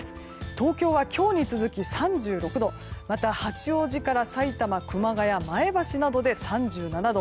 東京は、今日に続き３６度八王子からさいたま、熊谷前橋などで３７度。